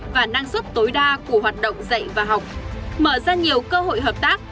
và năng suất tối đa của hoạt động dạy và học mở ra nhiều cơ hội hợp tác